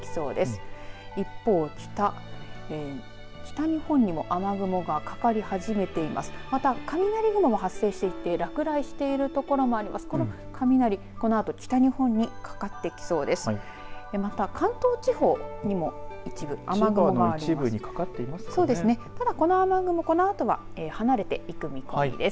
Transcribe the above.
この雷北日本にかかってきそうです。